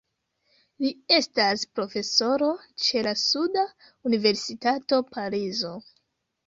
Li estas profesoro ĉe la suda universitato Parizo.